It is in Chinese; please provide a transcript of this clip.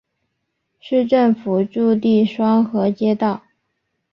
市政府驻地双河街道。